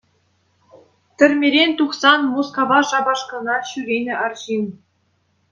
Тӗрмерен тухсан Мускава шапашкӑна ҫӳренӗ арҫын.